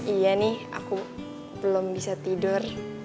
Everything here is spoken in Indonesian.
iya nih aku belum bisa tidur